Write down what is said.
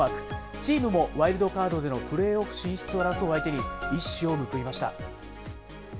チームもワイルドカードでのプレーオフ進出を争う相手に一矢を報いました。